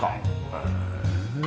へえ。